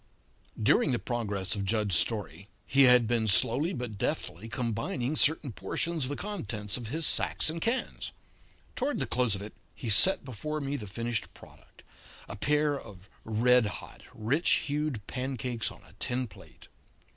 '" During the progress of Jud's story he had been slowly but deftly combining certain portions of the contents of his sacks and cans. Toward the close of it he set before me the finished product a pair of red hot, rich hued pancakes on a tin plate.